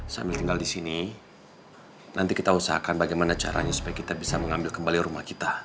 sambil tinggal di sini nanti kita usahakan bagaimana caranya supaya kita bisa mengambil kembali rumah kita